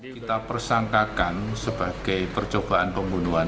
kita persangkakan sebagai percobaan pembunuhan